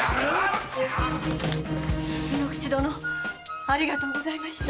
卯之吉殿ありがとうございました。